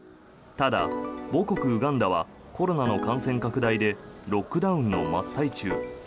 ただ、母国ウガンダはコロナの感染拡大でロックダウンの真っ最中。